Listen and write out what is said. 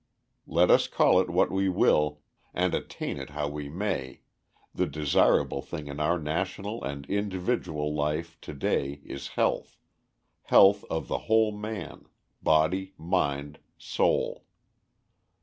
Let us call it what we will, and attain it as how we may, the desirable thing in our national and individual life to day is health, health of the whole man, body, mind, soul.